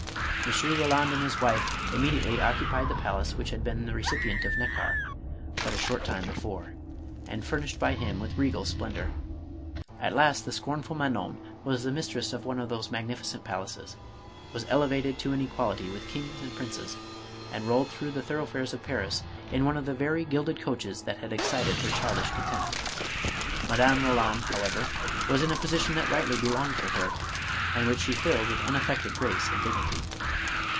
M. Roland and his wife immediately occupied the palace which had been the recipient of Neckar but a short time before, and furnished by him with regal splendor. At last the scornful Manon was the mistress of one of those magnificent palaces, was elevated to an equality with kings and princes, and rolled through the thoroughfares of Paris in one of the very gilded coaches that had excited her childish contempt. Madame Ro land however was in a position that rightly belonged to her, and which she filled with unaffected grace and dignity.